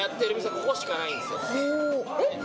ここしかないんですよ。